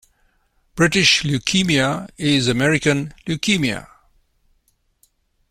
British leukaemia is American leukemia.